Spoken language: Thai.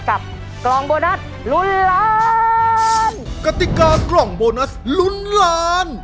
กล่องโบนัสลุ้นล้านกติกากล่องโบนัสลุ้นล้าน